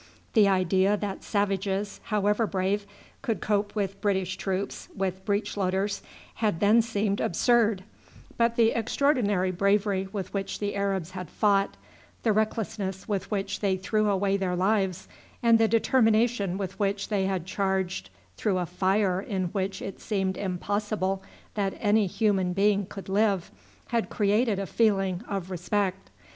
The idea that savages, however brave, could cope with British troops with breech loaders had then seemed absurd; but the extraordinary bravery with which the Arabs had fought, the recklessness with which they threw away their lives, and the determination with which they had charged through a fire in which it seemed impossible that any human being could live, had created a feeling of respect.